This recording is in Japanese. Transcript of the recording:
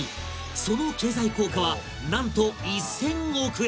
その経済効果はなんと１０００億円！